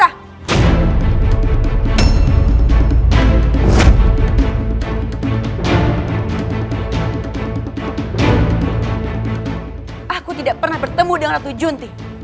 aku tidak pernah bertemu dengan ratu junti